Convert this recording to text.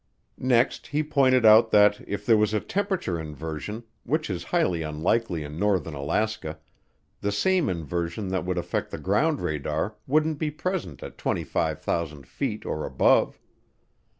Next he pointed out that if there was a temperature inversion, which is highly unlikely in northern Alaska, the same inversion that would affect the ground radar wouldn't be present at 25,000 feet or above.